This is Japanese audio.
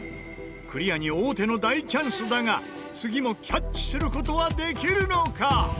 クリアに王手の大チャンスだが次もキャッチする事はできるのか？